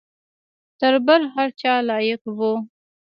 تر بل هر چا لایق وو.